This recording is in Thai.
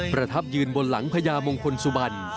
ประทับยืนบนหลังพญามงคลสุบัน